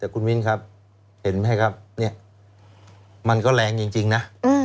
แต่คุณมิ้นครับเห็นไหมครับเนี่ยมันก็แรงจริงนะ